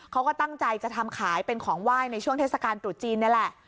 เขาก็ตั้งใจจะทำขายเป็นของไหว้ในช่วงเทศกาลตรุษจีนนี่แหละ